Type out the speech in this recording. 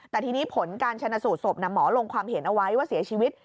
แต่ทีนี้ผลการชนะสูตรศพหมอลงความเห็นเอาไว้ว่าเสียชีวิต